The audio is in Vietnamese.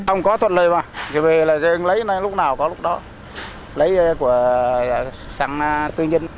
không có thuật lợi mà thì về là dân lấy lúc nào có lúc đó lấy của xăng tư nhân